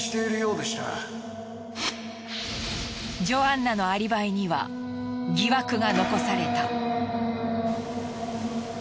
ジョアンナのアリバイには疑惑が残された。